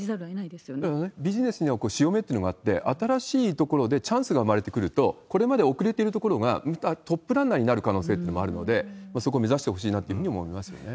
でもね、ビジネスには潮目というのがあって、新しいところでチャンスが生まれてくると、これまで遅れているところがトップランナーになる可能性もあるので、そこを目指してほしいなというふうにも思いますよね。